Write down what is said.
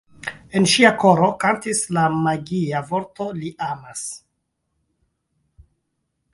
En ŝia koro kantis la magia vorto: „Li amas!